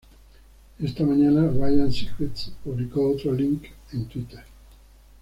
Esa mañana, Ryan Seacrest publicó otro link en Twitter.